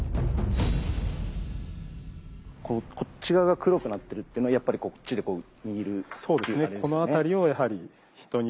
こっち側が黒くなってるっていうのはやっぱりこっちでこう握るっていう感じですね？